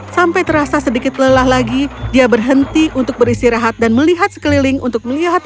sampai terasa sedikit lelah lagi dia berhenti untuk beristirahat dan melihat sekeliling untuk melihat